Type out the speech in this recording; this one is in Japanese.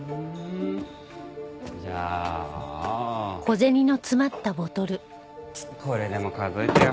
じゃあこれでも数えてよ。